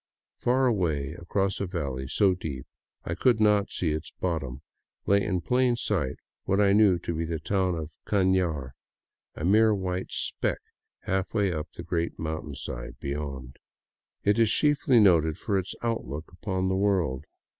Far away across a valley so deep I could not see its bottom, lay in plain sight what I knew to be the town of Canar, a mere white speck halfway up the great mountainside beyond. It is chiefly noted for its outlook upon the world.